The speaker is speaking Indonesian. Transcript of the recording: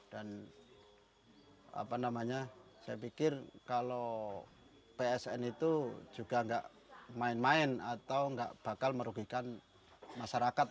dan apa namanya saya pikir kalau psn itu juga tidak main main atau tidak bakal merugikan masyarakat